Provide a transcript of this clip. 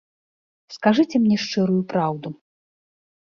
Скажыце мне шчырую праўду.